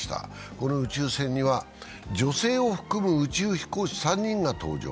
この宇宙船には女性を含む宇宙飛行士３人が搭乗。